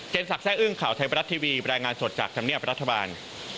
สักแร่อึ้งข่าวไทยบรัฐทีวีรายงานสดจากธรรมเนียบรัฐบาล